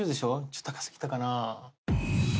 ちょっと高すぎたかな？